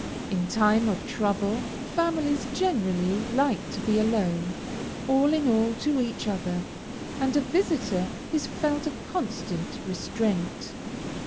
In time of trouble families generally like to be alone, all in all to each other; and a visitor is felt a constant restraint.